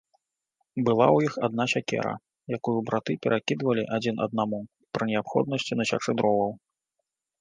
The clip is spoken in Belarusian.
Была ў іх адна сякера, якую браты перакідвалі адзін аднаму пры неабходнасці насячы дроваў.